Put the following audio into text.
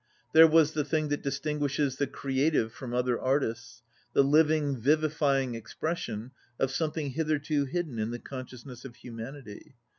There was the thing that distinguishes the creative from other artists, the living, vivifying expression of something hitherto hidden in the consciousness of humanity.